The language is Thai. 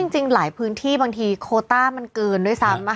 จริงหลายพื้นที่บางทีโคต้ามันเกินด้วยซ้ำ